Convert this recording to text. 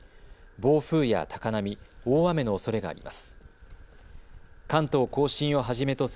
暴風や高波、大雨のおそれがあります。